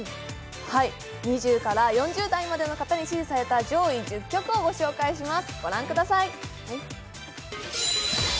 ２０から４０代までの方に支持された上位１０曲をご紹介します。